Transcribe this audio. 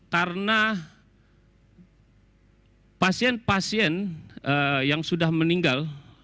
karena pasien pasien yang sudah meninggal